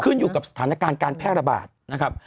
อยู่กับสถานการณ์การแพร่ระบาดนะครับ